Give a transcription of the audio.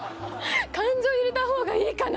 「感情入れたほうがいいかな？」